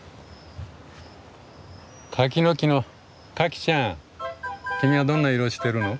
柿の木のカキちゃん君はどんな色をしてるの？